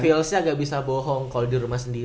feels nya ga bisa bohong kalo dirumah sendiri